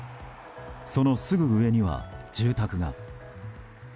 そのすぐ上には住宅が。